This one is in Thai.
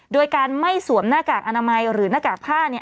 โดยการไม่สวมหน้ากากอนามัยหรือหน้ากากผ้า